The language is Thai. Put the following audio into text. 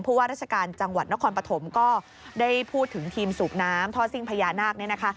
ว่าราชการจังหวัดนครปฐมก็ได้พูดถึงทีมสูบน้ำท่อซิ่งพญานาคเนี่ยนะคะ